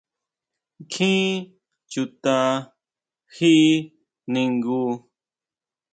¿ʼNkjin chuta ji ningu?